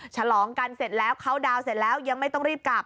ฉลองกันเสร็จแล้วเขาดาวน์เสร็จแล้วยังไม่ต้องรีบกลับ